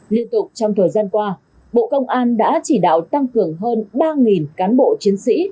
liên tục trong thời gian qua bộ công an đã chỉ đạo tăng cường hơn ba cán bộ chiến sĩ